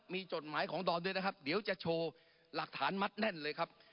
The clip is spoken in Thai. มีจดหมายของดอมด้วยนะครับเดี๋ยวจะโชว์หลักฐานมัดแน่นเลยครับ